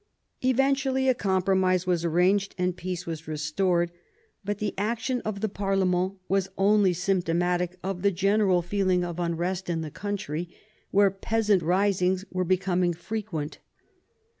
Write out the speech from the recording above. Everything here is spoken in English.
Eventually a compro mise was arranged, and peace was restored. But the action of the parlement was only symptomatic of the general feeling of unrest in the country, where peasant risings were becoming frequent.